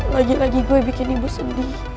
lagi lagi gue bikin ibu sedih